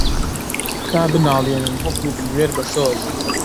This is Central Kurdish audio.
تا بناڵێنم وەکوو بلوێر بەسۆز